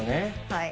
はい。